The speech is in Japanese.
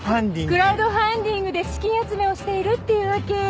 クラウドファンディングで資金集めをしているっていうわけ。